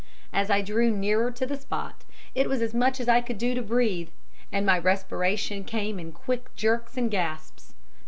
As I drew nearer to the spot, it was as much as I could do to breathe, and my respiration came in quick jerks and gasps.